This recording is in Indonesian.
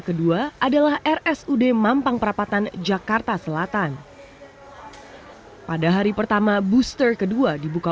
kedua adalah rsud mampang perapatan jakarta selatan pada hari pertama booster kedua dibuka